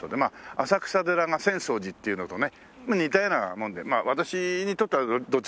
「浅草寺」が浅草寺っていうのとね似たようなもんで私にとってはどちらでもいいんですけどもね。